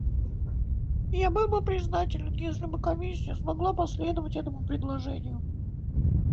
Я был бы признателен, если бы Комиссия смогла последовать этому предложению.